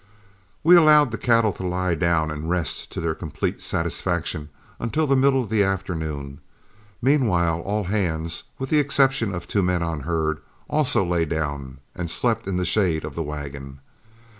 We allowed the cattle to lie down and rest to their complete satisfaction until the middle of the afternoon; meanwhile all hands, with the exception of two men on herd, also lay down and slept in the shade of the wagon.